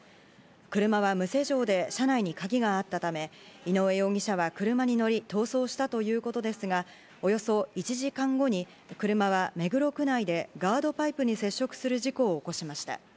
車は無施錠で車内に鍵があったため、井上容疑者は車に乗り、逃走したということですが、およそ１時間後に車は目黒区内でガードパイプに接触する事故を起こしました。